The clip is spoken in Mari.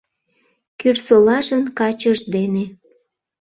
Кӱрсолажын качыж дене